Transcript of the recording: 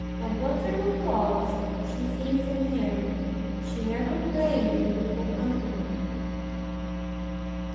That whatever faults she sees in him, she never blame him before company.